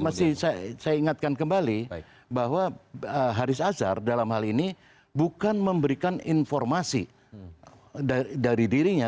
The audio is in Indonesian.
dan saya ingatkan kembali bahwa haris azhar dalam hal ini bukan memberikan informasi dari dirinya